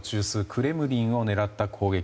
クレムリンを狙った攻撃。